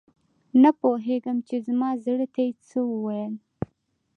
نه پوهیږم چې زما زړه ته یې څه وویل؟